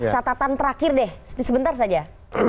catatan terakhir deh sebentar saja